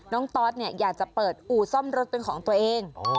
น้องตอดอยากจะเปิดอู่ซ่อมรถเป็นของตัวเอง